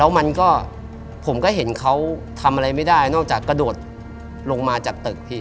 มันก็ผมก็เห็นเขาทำอะไรไม่ได้นอกจากกระโดดลงมาจากตึกพี่